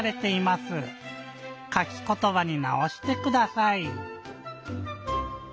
「かきことば」になおしてください。